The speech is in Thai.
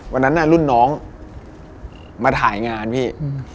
วันนั้นน่ะรุ่นน้องมาถ่ายงานพี่